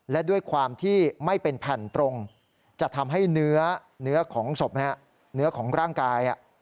และด้วยความที่ไม่เป็นแผ่นตรงจะทำให้เนื้อของศพเนื้อของร่างกาย